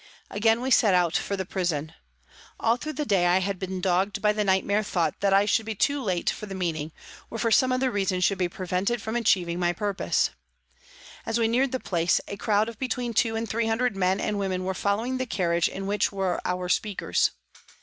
Again we set out for the prison. All through the day I had been dogged by the nightmare R 2 244 PRISONS AND PRISONERS thought that I should be too late for the meet ing, or for some other reason should be prevented from achieving my purpose. As we neared the place, a crowd of between two and three hundred men and women were following the carriage in which were our speakers.